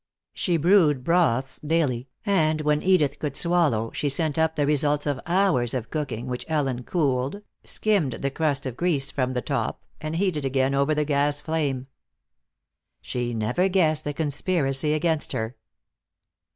She brewed broths daily, and when Edith could swallow she sent up the results of hours of cooking which Ellen cooled, skimmed the crust of grease from the top, and heated again over the gas flame. She never guessed the conspiracy against her.